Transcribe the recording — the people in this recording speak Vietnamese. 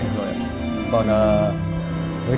còn với đối tượng